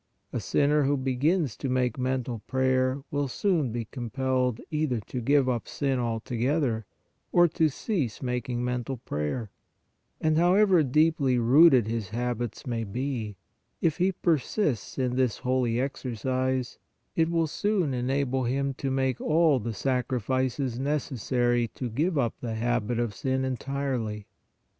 A sinner who begins to make mental prayer will soon be compelled either to give up sin altogether, or to cease making mental prayer; and, however deeply rooted his habits may HOW TO MAKE MENTAL PRAYER 163 be, if he persists in this holy exercise, it will soon enable him to make all the sacrifices necessary to give up the habit of sin entirely.